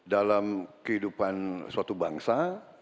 dalam kehidupan suatu bangsa